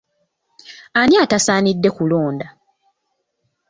Ani atasaanidde kulonda?